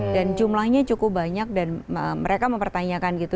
dan jumlahnya cukup banyak dan mereka mempertanyakan gitu